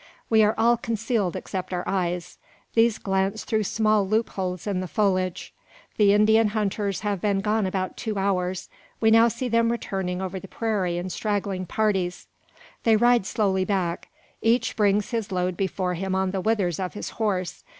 We are all concealed except our eyes. These glance through small loopholes in the foliage. The Indian hunters have been gone about two hours. We now see them returning over the prairie in straggling parties. They ride slowly back. Each brings his load before him on the withers of his horse.